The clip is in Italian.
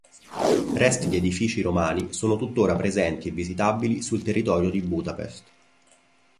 Resti di edifici romani sono tuttora presenti e visitabili sul territorio di Budapest.